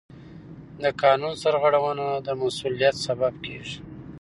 د قانون سرغړونه د مسؤلیت سبب کېږي.